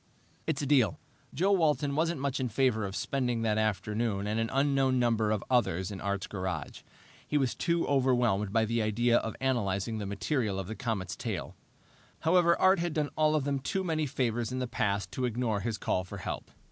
"It's a deal." Joe Walton wasn't much in favor of spending that afternoon and an unknown number of others in Art's garage; he was too overwhelmed by the idea of analyzing the material of the comet's tail. However Art had done all of them too many favors in the past to ignore his call for help.